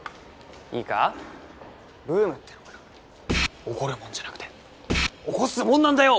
いいかブームってのはな起こるもんじゃなくて起こすもんなんだよ！